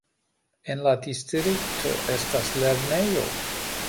En la distrikto estas lernejo.